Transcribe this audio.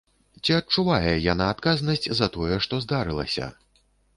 Ці адчувае яна адказнасць за тое, што здарылася?!